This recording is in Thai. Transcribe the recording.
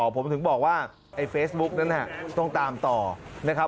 ผมถึงบอกว่าไอ้เฟซบุ๊กนั้นต้องตามต่อนะครับ